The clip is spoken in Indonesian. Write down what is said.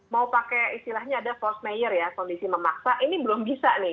mau pakai istilahnya ada force mayer ya kondisi memaksa ini belum bisa nih